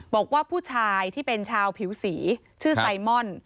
บอกว่าผู้ชายที่เป็นชาวผิวสีชื่อไซมอน